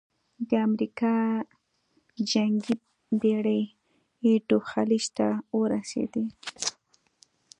د امریکا جنګي بېړۍ ایدو خلیج ته ورسېدې.